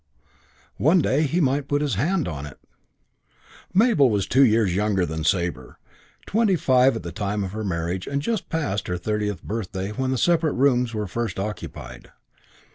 One day he might put his hand on it. CHAPTER IV I Mabel was two years younger than Sabre, twenty five at the time of her marriage and just past her thirtieth birthday when the separate rooms were first occupied.